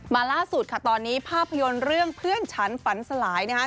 ล่าสุดค่ะตอนนี้ภาพยนตร์เรื่องเพื่อนฉันฝันสลายนะครับ